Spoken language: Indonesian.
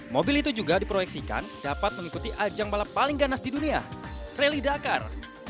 mobil itu juga diproyeksikan dapat mengikuti ajang balap paling ganas di dunia rally dakar